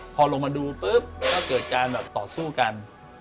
พอลงมาดูปุ๊บก็เกิดการแบบต่อสู้กัน